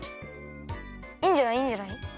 いいんじゃないいいんじゃない。